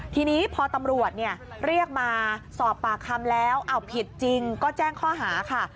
ทีนี้พอตำรวจเรียกมาสอบปากคำแล้วเอาผิดจริงก็แจ้งข้อหาค่ะ